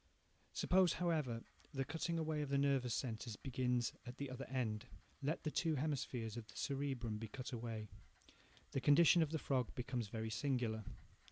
Suppose, however, the cutting away of the nervous centres begins at the other end. Let the two hemispheres of the cerebrum be cut away. The condition of the frog becomes very singular.